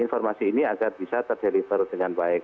informasi ini agar bisa ter deliver dengan baik